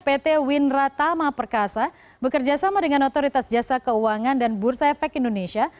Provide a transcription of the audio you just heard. pt winratama perkasa bekerja sama dengan otoritas jasa keuangan dan bursa efek indonesia